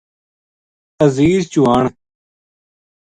عزیز چوہان